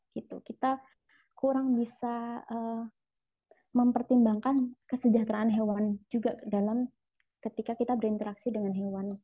kita kurang bisa mempertimbangkan kesejahteraan hewan juga dalam ketika kita berinteraksi dengan hewan